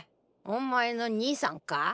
お前の兄さんか？